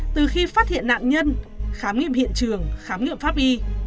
từ khi phát hiện nạn nhân khám nghiệm hiện trường khám nghiệm pháp y